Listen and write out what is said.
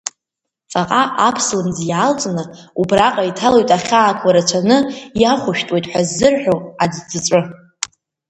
Ҵаҟа аԥслымӡ иаалҵны, убраҟа иҭалоит ахьаақәа рацәаны иахәышәтәуеит ҳәа ззырҳәо аӡҵәыҵәы.